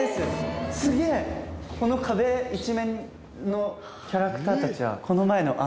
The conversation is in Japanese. この壁一面のキャラクターたちはこの前の案？